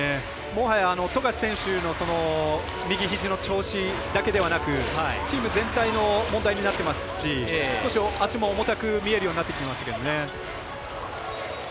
もはや富樫選手の右肘の調子だけではなくチーム全体の問題になってますし少し足も重たく見えるようになってきましたよね。